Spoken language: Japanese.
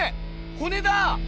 骨だ！